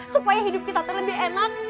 supaya hidup kita teh lebih enak